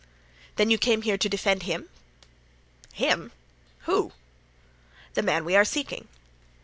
"Then you came here to defend him?" "Him? whom?" "The man we are seeking."